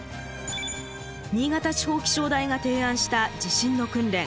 新潟地方気象台が提案した地震の訓練。